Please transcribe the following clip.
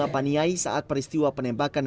paniai saat peristiwa penembakan